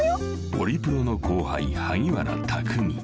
［オリプロの後輩萩原匠］